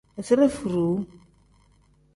Izire furuu.